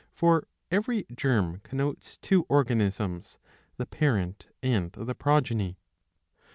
For every germ connotes two organisms, the parent and the progeny.